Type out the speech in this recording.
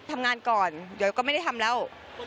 ทำงานก่อนเดี๋ยวก็ไม่ได้ทำแล้ว